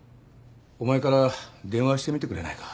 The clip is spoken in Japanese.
お前から電話してみてくれないか？